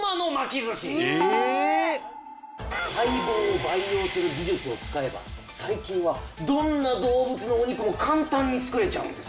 細胞を培養する技術を使えば最近はどんな動物のお肉も簡単につくれちゃうんです。